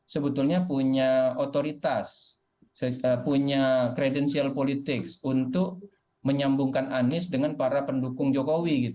sebetulnya punya otoritas punya kredensial politik untuk menyambungkan anies dengan para pendukung jokowi